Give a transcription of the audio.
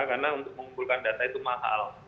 karena untuk mengumpulkan data itu mahal